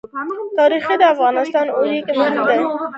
تاریخ د افغانستان د اوږدمهاله پایښت لپاره یو مهم او رغنده رول لري.